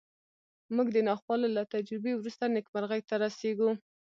موږ د ناخوالو له تجربې وروسته نېکمرغۍ ته رسېږو